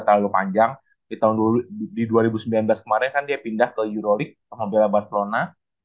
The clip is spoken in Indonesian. terlalu panjang di tahun dulu di dua ribu sembilan belas kemarin kan dia pindah ke euroleague pembela barcelona